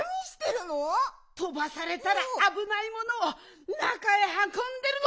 とばされたらあぶないものをなかへはこんでるの！